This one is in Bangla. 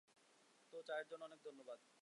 তো, চায়ের জন্য অনেক ধন্যবাদ।